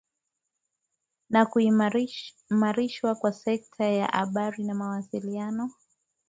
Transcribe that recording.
na kuimarishwa kwa sekta ya habari na mawasiliano